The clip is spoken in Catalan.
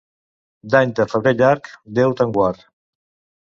D'any de febrer llarg, Déu te'n guard.